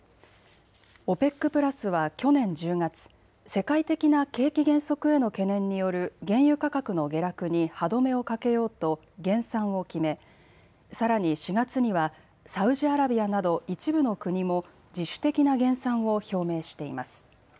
ＯＰＥＣプラスは去年１０月、世界的な景気減速への懸念による原油価格の下落に歯止めをかけようと減産を決めさらに４月にはサウジアラビアなど一部の国も自主的な減産を表明しています。